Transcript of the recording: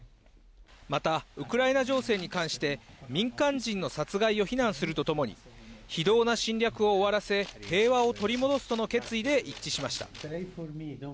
またウクライナ情勢に関して民間人の殺害を非難するとともに、非道な侵略を終わらせ、平和を取り戻すとの決意で一致しました。